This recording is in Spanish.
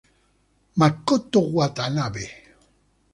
Makoto Watanabe